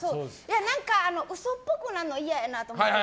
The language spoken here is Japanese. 何か嘘っぽくなるの嫌やなって思って。